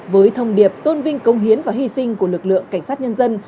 với thông điệp tôn vinh công hiến và hy sinh của lực lượng cảnh sát nhân dân